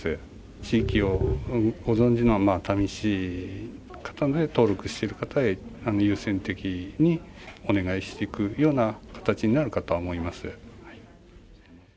地域をご存じの熱海市の方で、登録している方を優先的にお願いしていくような形になるかとは思います。